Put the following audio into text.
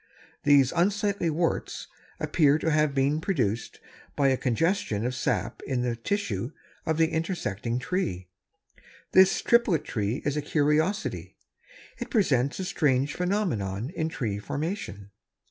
These unsightly warts appear to have been produced by a congestion of sap in the tissue of the intersecting tree. This triplet tree is a curiosity. It presents a strange phenomenon in tree formation.